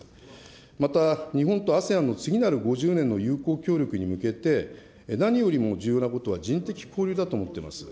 また、日本とＡＳＥＡＮの次なる５０年の友好協力に向けて、何よりも重要なことは人的交流だと思ってます。